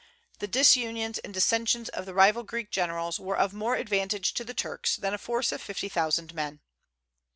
The disunions and dissensions of the rival Greek generals were of more advantage to the Turks than a force of fifty thousand men.